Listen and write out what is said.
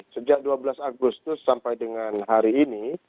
sejak dua belas agustus sampai dengan hari ini